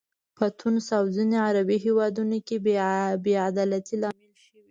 په تونس او ځینو عربي هیوادونو کې بې عدالتۍ لامل شوي.